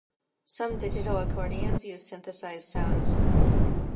Some digital accordions use synthesized sounds.